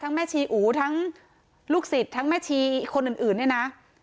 แม่ชีอูทั้งลูกศิษย์ทั้งแม่ชีคนอื่นเนี่ยนะ